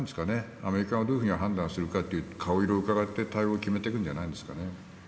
アメリカがどういうふうに判断するか顔色をうかがって対応を決めていくんじゃないですかね。